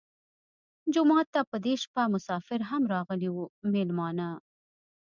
جومات ته په دې شپه مسافر هم راغلي وو مېلمانه.